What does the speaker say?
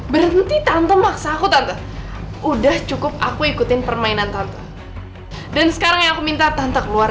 berhenti tante maksaku tante udah cukup aku ikutin permainan tanto dan sekarang aku minta tante keluar